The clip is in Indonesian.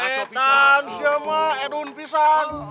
he wah eh nanti sama edun pisang